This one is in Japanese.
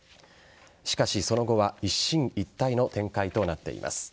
しかし、その後は一進一退の展開となっています。